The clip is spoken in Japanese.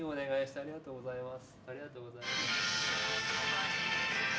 ありがとうございます。